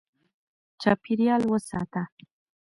چاپېریال وساته.